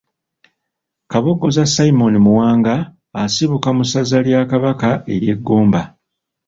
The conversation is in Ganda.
Kabogoza Simon Muwanga asibuka mu ssaza lya Kabaka ery’e Ggomba.